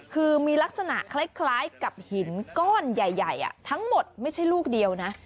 คือมีลักษณะคล้ายกับหินก้อนใหญ่ทั้งหมดไม่ใช่ลูกเดียวนะ